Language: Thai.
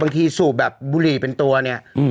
สูบแบบบุหรี่เป็นตัวเนี่ย